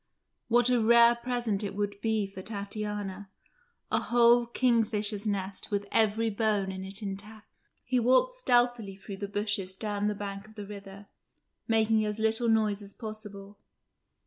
What a rare present it would be for Tatiana a whole kingfisher's nest with every bone in it intact. He walked stealthily through the bushes down the bank of the river, making as little noise as possible.